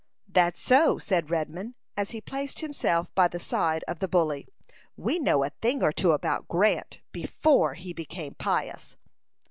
"That's so," said Redman, as he placed himself by the side of the bully. "We know a thing or two about Grant, before he became pious."